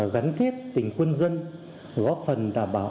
gắn kết tỉnh quân dân góp phần đảm bảo